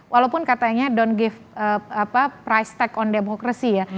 walaupun katanya don t give price tag on demokrasi ya